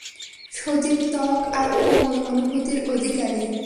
সজীব ত্বক আর কোমল অনুভূতির অধিকারী।